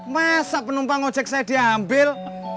masa penumpang ojek saya diambil